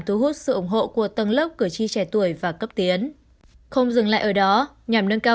thu hút sự ủng hộ của tầng lớp cử tri trẻ tuổi và cấp tiến không dừng lại ở đó nhằm nâng cao